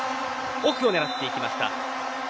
奥を狙っていきました。